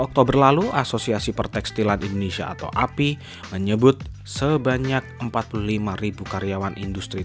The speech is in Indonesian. oktober lalu asosiasi pertekstilan indonesia atau api menyebut sebanyak empat puluh lima ribu karyawan industri